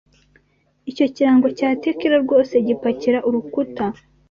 Icyo kirango cya tequila rwose gipakira urukuta.